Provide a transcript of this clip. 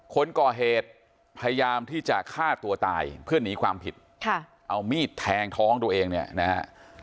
คนก่อเหตุพยายามที่จะฆ่าตัวตายเพื่อหนีความผิดค่ะเอามีดแทงท้องตัวเองเนี่ยนะฮะ